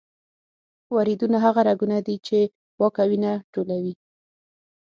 وریدونه هغه رګونه دي چې پاکه وینه ټولوي.